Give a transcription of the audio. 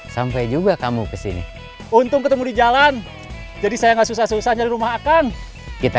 sampai juga kamu kesini untung ketemu di jalan jadi saya nggak susah susah nyari rumah makan kita